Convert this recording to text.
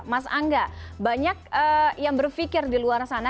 mas angga banyak yang berpikir di luar sana